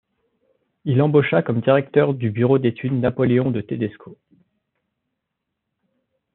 Il embaucha comme directeur du bureau d'études Napoléon de Tédesco.